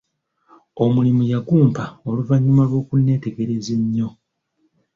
Omulimu yagumpa oluvanyuma lw'okuneetegereza ennyo.